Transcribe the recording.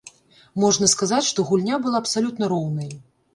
Можна сказаць, што гульня была абсалютна роўнай.